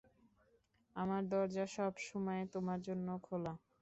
আমার দরজা সবসময় তোমার জন্য খোলা।